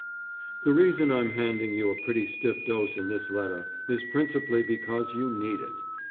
The reason I'm handing you a pretty stiff dose in this letter, is principally because you need it.